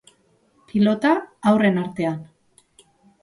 Pilota, haurren artean.